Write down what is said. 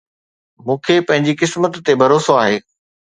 مون کي پنهنجي قسمت تي ڀروسو آهي